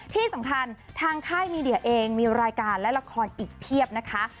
ที่สำคัญทางค่ายมีเดียเองมีรายการและละครอีกเพียบนะคะ